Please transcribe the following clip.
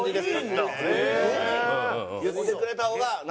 言ってくれた方が。